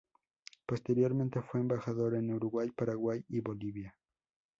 Posteriormente fue embajador en Uruguay, Paraguay y Bolivia.